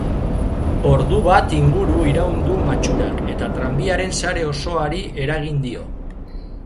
Ordu bat inguru iraun du matxurak eta tranbiaren sare osoari eragin dio.